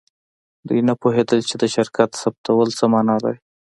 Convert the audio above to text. دوی نه پوهیدل چې د شرکت ثبتول څه معنی لري